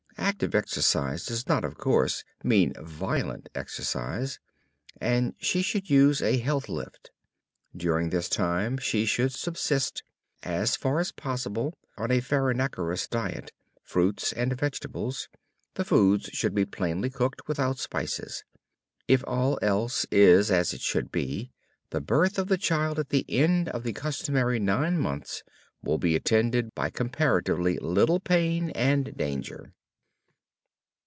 Active exercise does not, of course, mean violent exercise. And she should use a "Health Lift." During this time she should subsist as far as possible on a farinaceous diet, fruits and vegetables. The foods should be plainly cooked, without spices. If all else is as it should be, the birth of the child at the end of the customary nine months will be attended by comparatively little pain and danger.